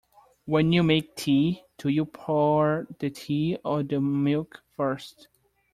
When you make tea, do you pour the tea or the milk first?